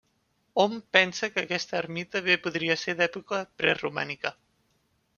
Hom pensa que aquesta ermita bé podria ser d'època preromànica.